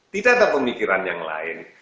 tidak ada pemikiran yang lain